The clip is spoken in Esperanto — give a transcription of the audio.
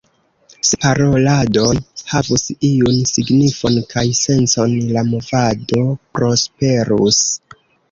Se paroladoj havus iun signifon kaj sencon, la movado prosperus.